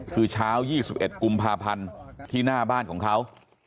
คือเช้า๒๑กุมภาพันธ์ที่หน้าบ้านของเขา